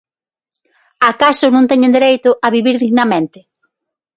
Acaso non teñen dereito a vivir dignamente?